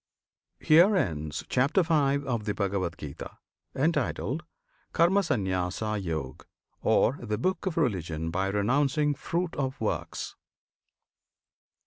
HERE ENDS CHAPTER V. OF THE BHAGAVAD GITA, Entitled "Karmasanyasayog," Or "The Book of Religion by Renouncing Fruit of Works."